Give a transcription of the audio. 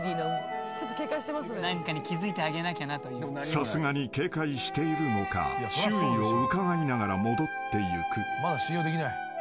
［さすがに警戒しているのか周囲をうかがいながら戻っていく］